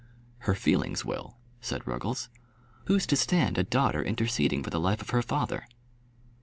"Her feelings will," said Ruggles. "Who's to stand a daughter interceding for the life of her father?"